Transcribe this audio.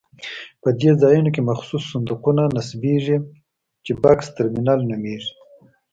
په دې ځایونو کې مخصوص صندوقونه نصبېږي چې بکس ترمینل نومېږي.